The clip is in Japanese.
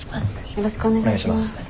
よろしくお願いします。